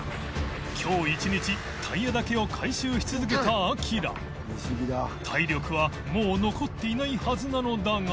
磴腓Γ影タイヤだけを回収し続けたアキラ秣領呂もう残っていないはずなのだが淵